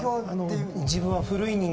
自分は古い人間なんで。